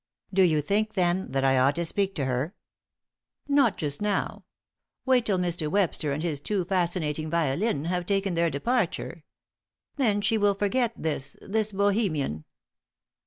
"Do you think, then, that I ought to speak to her?" "Not just now. Wait till Mr. Webster and his too fascinating violin have taken their departure. Then she will forget this this Bohemian."